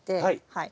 はい。